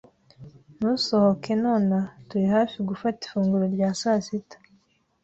Ntusohoke nonaha. Turi hafi gufata ifunguro rya sasita.